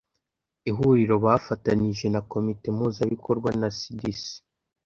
ihuriro bafatanije na komite mpuzabikorwa na cdc